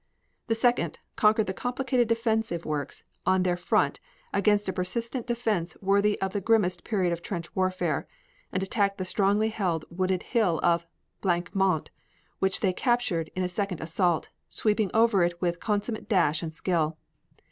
The Second conquered the complicated defense works on their front against a persistent defense worthy of the grimmest period of trench warfare and attacked the strongly held wooded hill of Blanc Mont, which they captured in a second assault, sweeping over it with consummate dash and skill.